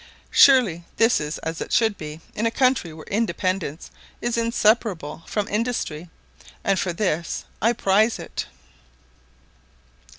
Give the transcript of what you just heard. Surely this is as it should be in a country where independence is inseparable from industry; and for this I prize it.